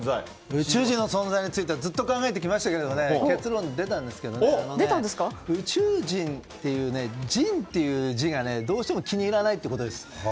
宇宙人の存在についてはずっと考えてきて結論、出たんですけど宇宙人っていう「人」っていう字がどうしても気に入らないってことです。